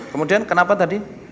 kemudian kenapa tadi